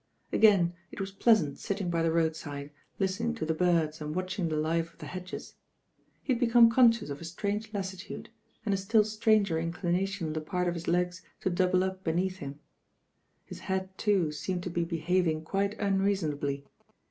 Xgm, It was pleasant sitting by the road side, iistjning cO the birds and watching the life of the hedges lie had become conscious of a strange lassitude, and a still stranger inclination on the part of his hgs to double up beneath him. His head, too, seemed to be behaving quite unreasonably.